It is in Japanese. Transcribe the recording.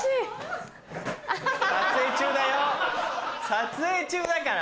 撮影中だから。